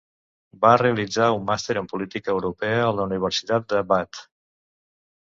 Va realitzar un màster en política europea a la Universitat de Bath.